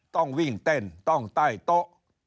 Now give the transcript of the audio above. ต้องวิ่งเต้นต้องใต้โต๊ะ